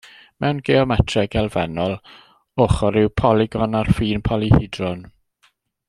Mewn geometreg elfennol, ochr yw polygon ar ffin polyhedron.